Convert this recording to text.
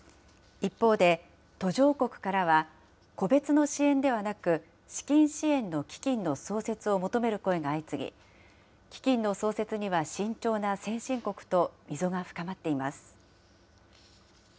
一方で、途上国からは個別の支援ではなく、資金支援の基金の創設を求める声が相次ぎ、基金の創設には慎重な先進国と溝が深まっています。